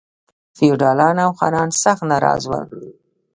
فیوډالان او خانان سخت ناراض ول.